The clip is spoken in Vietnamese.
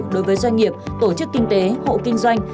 đối với doanh nghiệp tổ chức kinh tế hộ kinh doanh